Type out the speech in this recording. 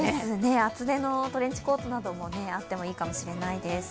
厚手のトレンチコートなどもあってもいいかもしれないです。